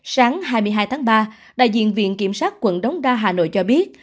sáng hai mươi hai tháng ba đại diện viện kiểm sát quận đống đa hà nội cho biết